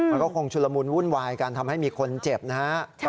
มันก็คงชุลมุนวุ่นวายกันทำให้มีคนเจ็บนะฮะ